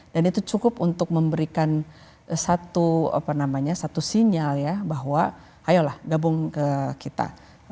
dan itu cukup untuk memberikan satu sinyal ya bahwa ayolah gabung ke kita